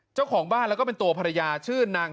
เจ้าของบ้านแล้วก็เป็นตัวภรรยาชื่อนาง